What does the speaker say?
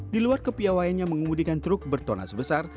di luar kepiawaiannya mengemudikan truk bertonas besar